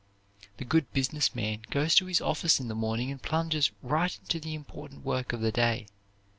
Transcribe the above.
The good business man goes to his office in the morning and plunges right into the important work of the day.